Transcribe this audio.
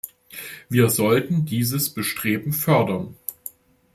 Wir sollten dieses Bestreben fördern.